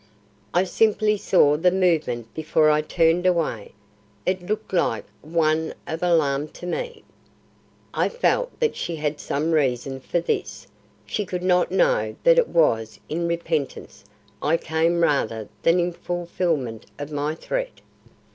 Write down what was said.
I simply saw the movement before I turned away. It looked like one of alarm to me. I felt that she had some reason for this. She could not know that it was in repentance I came rather than in fulfilment of my threat."